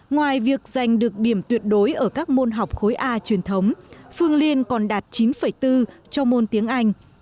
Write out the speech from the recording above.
ngoài việc giành được điểm tuyệt đối ở các môn học khối a truyền thống phương liên còn đạt chín bốn cho môn tiếng anh